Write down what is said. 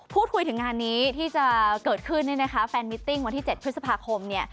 พูดคุยถึงงานนี้ที่จะเกิดขึ้นเนี่ยนะคะแฟนมิตติ้งวันที่๗พฤษภาคมเนี่ย